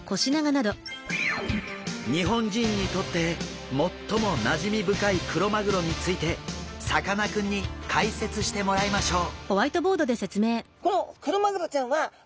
日本人にとって最もなじみ深いクロマグロについてさかなクンに解説してもらいましょう。